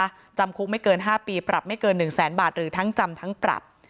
จำคุกไม่เกิน๕ปีปรับไม่เกิน๑แสนบาทหรือทั้งจำทั้งปรับ